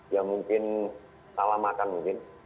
ya mungkin salah makan mungkin